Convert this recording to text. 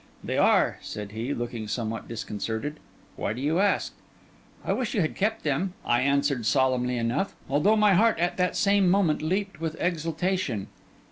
'They are,' said he, looking somewhat disconcerted. 'Why do you ask?' 'I wish you had kept them,' I answered, solemnly enough, although my heart at that same moment leaped with exultation.